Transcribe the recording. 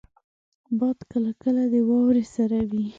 باد کله کله د واورې سره وي